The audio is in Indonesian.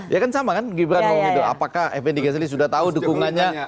ya kan sama kan gibran ngomong itu apakah fnd geselli sudah tahu dukungannya